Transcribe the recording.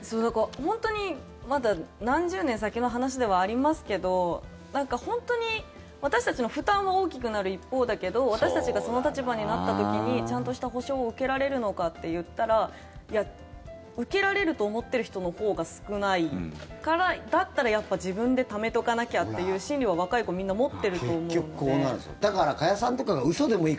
本当にまだ何十年先の話ではありますけど本当に私たちの負担は大きくなる一方だけど私たちがその立場になった時にちゃんとした保障を受けられるのかといったら受けられると思ってる人のほうが少ないからだったら、自分でためとかなきゃという心理は若い子みんな持ってると思うので。